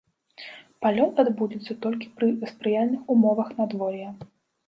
Палёт адбудзецца толькі пры спрыяльных умовах надвор'я.